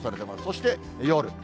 そして、夜。